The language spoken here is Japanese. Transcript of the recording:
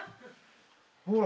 ほら。